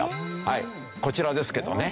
はいこちらですけどね。